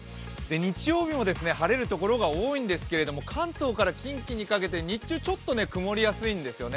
日曜日も晴れるところが多いんですけれども、関東から近畿にかけて日中、ちょっと曇りやすいんですよね